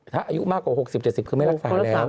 ถ้าอายุมากกว่า๖๐๗๐คือไม่รักษาแล้ว